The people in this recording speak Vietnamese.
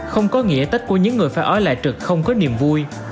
không có nghĩa tết của những người phải ở lại trực không có niềm vui